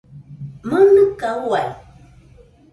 ¡Mɨnɨka uai!